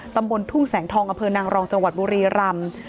ตำบลทุ่งแสงทองอำเภอนางรองจังหวัดบุรีรำ